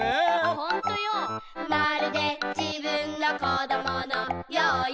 「ほんとよ、まるで自分の小どものようよ」